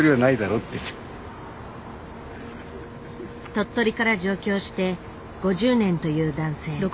鳥取から上京して５０年という男性。